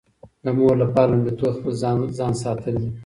د مور لپاره لومړیتوب خپل ځان ساتل دي.